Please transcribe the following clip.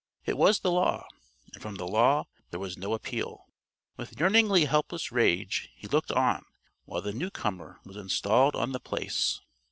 It was the Law; and from the Law there was no appeal. With yearningly helpless rage he looked on while the newcomer was installed on The Place.